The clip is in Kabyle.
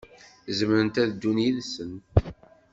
Zemrent ad ddun yid-sent.